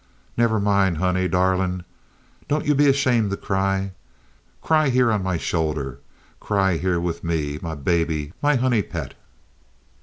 "Never mind, honey darling, don't you be ashamed to cry. Cry here on my shoulder. Cry here with me. My baby—my honey pet!"